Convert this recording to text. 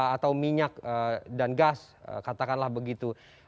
atau minyak dan gas katakanlah begitu